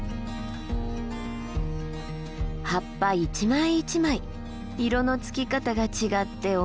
葉っぱ一枚一枚色のつき方が違って面白いな。